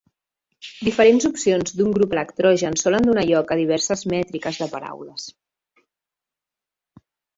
Diferents opcions d'un grup electrogen solen donar lloc a diverses mètriques de paraules.